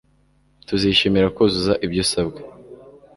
Tuzishimira kuzuza ibyo usabwa